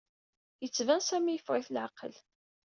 Yettban Sami yeffeɣ-it leɛqel.